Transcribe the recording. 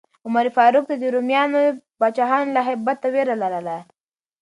عمر فاروق ته د رومیانو پاچاهانو له هیبته ویره لرله.